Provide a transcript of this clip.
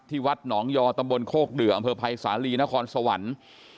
วัดหนองยอตำบลโคกเดืออำเภอภัยสาลีนครสวรรค์